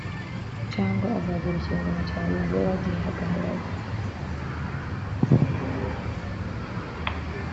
Cyangwa azagera ikirenge mu cya bagenzi be bagiye bagaherayo